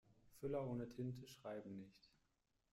Füller ohne Tinte schreiben nicht.